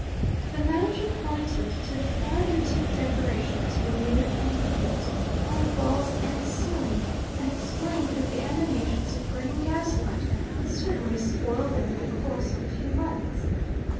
The manager pointed to the fine antique decorations (renewed and regilt) on the walls and the ceiling, and explained that the emanations of burning gas light would certainly spoil them in the course of a few months.